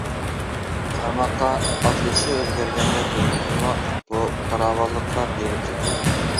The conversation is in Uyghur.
قارىماققا ئاتىلىشى ئۆزگەرگەندەك بىلىنسىمۇ، بۇ پاراۋانلىققا بېرىپ چېتىلىدۇ.